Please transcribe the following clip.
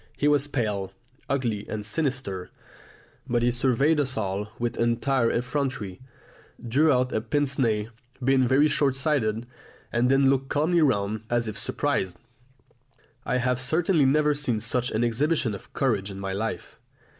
He was pale, ugly, and sinister; but he surveyed us all with entire effrontery, drew out a pince nez, being very short sighted, and then looked calmly round as if surprised. I have certainly never seen such an exhibition of courage in my life.